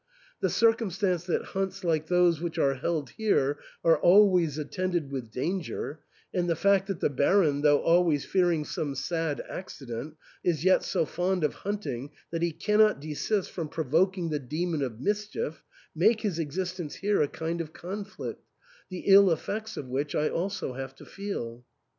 The circumstance that hunts like those which are held here are always attended with danger, and the fact that the Baron, though al ways fearing some sad accident, is yet so fond of hunt ing that he cannot desist from provoking the demon of mischief, make his existence here a kind of con flict, the ill effects of which I also have to feel.